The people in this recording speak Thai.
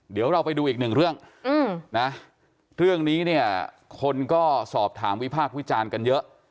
เดี๋ยวเราไปดูอีกหนึ่งเรื่องนะเรื่องนี้เนี่ยคนก็สอบถามวิพากษ์วิจารณ์กันเยอะ